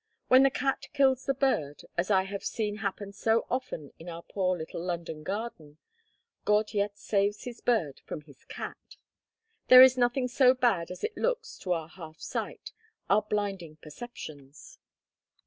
When the cat kills the bird, as I have seen happen so often in our poor little London garden, God yet saves his bird from his cat. There is nothing so bad as it looks to our half sight, our blinding perceptions.